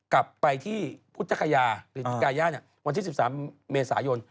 อ๋อแล้วไงอ่ะ